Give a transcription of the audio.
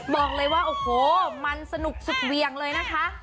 บอกเลยว่าโอ้โหมันสนุกสุดเวียงเลยนะคะ